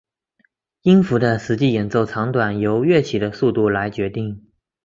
音符的实际演奏长短由乐曲的速度来决定。